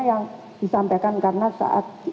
yang disampaikan karena saat